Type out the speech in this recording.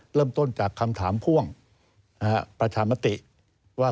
เริ่มต้นจากคำถามพ่วงประชามติว่า